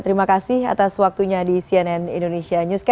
terima kasih atas waktunya di cnn indonesia newscast